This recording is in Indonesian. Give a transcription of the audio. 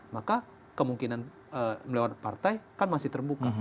maka kemungkinan melawan partai kan masih terbuka